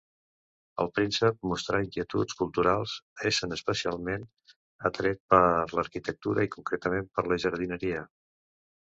El príncep mostrà inquietuds culturals essent especialment atret per l'arquitectura i concretament per la jardineria.